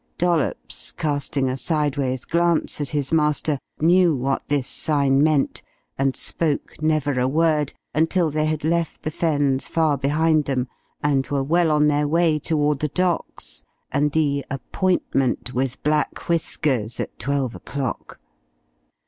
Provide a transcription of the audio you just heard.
Dollops, casting a sideways glance at his master, knew what this sign meant, and spoke never a word, until they had left the Fens far behind them and were well on their way toward the docks, and the "appointment" with Black Whiskers at twelve o'clock.